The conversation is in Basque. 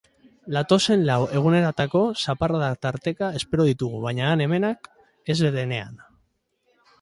Datozen lau egunetarako zaparradak tarteka espero ditugu, baina han-hemenka, ez denean.